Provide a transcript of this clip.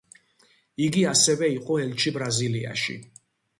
იგი ასევე იყო ელჩი ბრაზილიაში.